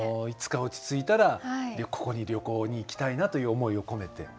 いつか落ち着いたらここに旅行に行きたいなという思いを込めて。